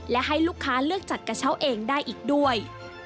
และให้ลูกค้าเลือกจัดกระเช้าเองได้อีกด้วย